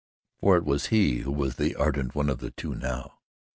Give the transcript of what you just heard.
For it was he who was the ardent one of the two now.